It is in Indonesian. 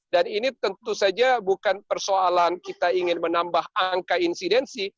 dan ini tentu saja bukan persoalan kita ingin menambah angka insidensi